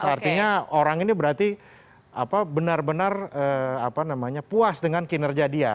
artinya orang ini berarti benar benar puas dengan kinerja dia